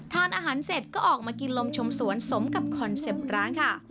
ทานอาหารเสร็จก็ออกมากินลมชมสวนสมกับคอนเซ็ปต์ร้านค่ะ